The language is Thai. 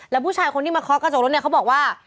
แล้วผู้ชายคนที่มาเคาะกระจกรถเนี่ยเขาบอกว่า